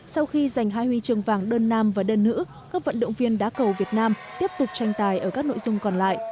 sau khi giành hai huy chương vàng đơn nam và đơn nữ các vận động viên đá cầu việt nam tiếp tục tranh tài ở các nội dung còn lại